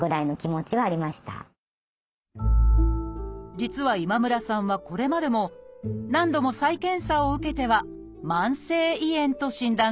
実は今村さんはこれまでも何度も再検査を受けては「慢性胃炎」と診断されていました